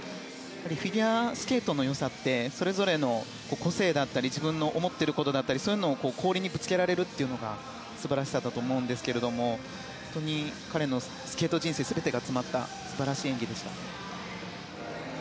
フィギュアスケートの良さってそれぞれの個性だったり自分の思っていることだったりそういうのを氷にぶつけられるのが素晴らしさだと思うんですが彼のスケート人生全てが詰まった素晴らしい演技でした。